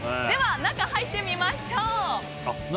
中に入ってみましょう。